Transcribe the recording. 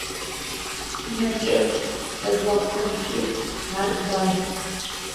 Псынэкӏэчъ ӏэзэгъухэмкӏи ар бай.